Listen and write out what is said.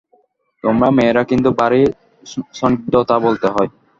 তোমরা মেয়েরা কিন্তু ভারি সন্দিগ্ধ তা বলতে হয়।